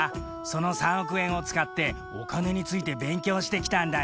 その３億円を使ってお金について勉強してきたんだよ。